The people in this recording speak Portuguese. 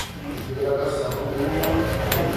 Degradação ambiental